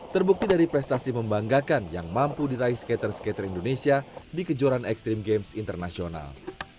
terbukti dari prestasi membanggakan yang mampu diraih skater skater indonesia di kejuaraan ekstrim games internasional